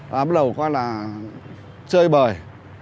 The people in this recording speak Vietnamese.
bắt đầu qua là chơi bời